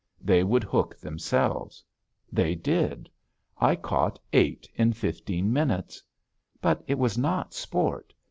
They would hook themselves. They did. I caught eight in fifteen minutes. But it was not sport.